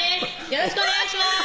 よろしくお願いします！